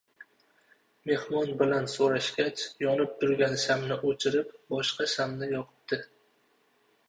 Mehmon bilan soʻrashgach, yonib turgan shamni oʻchirib, boshqa shamni yoqibdi.